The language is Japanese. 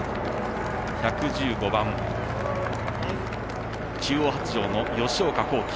１１５番中央発條の吉岡幸輝。